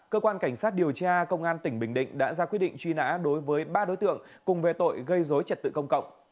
cơ quan cảnh sát điều tra công an tỉnh bình định đã ra quyết định truy nã đối với ba đối tượng cùng về tội gây dối trật tự công cộng